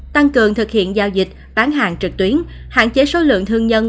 tăng cường thực hiện giao dịch bán hàng trực tuyến hạn chế số lượng thương nhân